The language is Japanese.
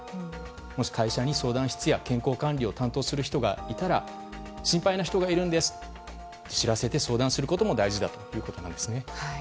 もし会社に相談室や健康管理を担当する人がいたら心配な人がいるんですと知らせて相談することも大事だということなんですね。